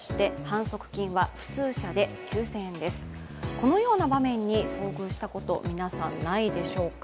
このような場面に遭遇したこと皆さんないでしょうか。